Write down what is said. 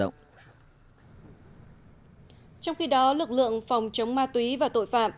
trong khi đó lực lượng phòng chống ma túy và tội phạm